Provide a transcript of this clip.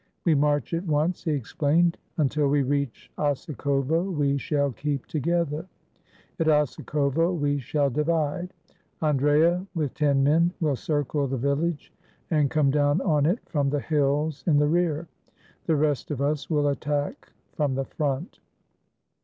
"We march at once," he explained. "Until we reach Osikovo, we shall keep together. At Osikovo, we shall divide. Andrea, with ten men, will circle the village and come down on it from the hills in the rear. The rest of us will attack from the front."